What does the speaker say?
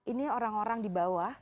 ini orang orang di bawah